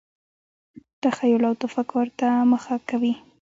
تخیل او تفکر ته مخه کوي.